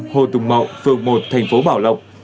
hồ tùng mậu phường một thành phố bảo lộc